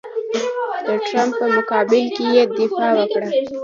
د ټرمپ په مقابل کې یې دفاع وکړه.